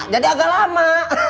jadi agak lama